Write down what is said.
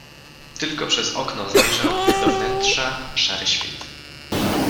Tylko przez okno zajrzał do wnętrza szary świt.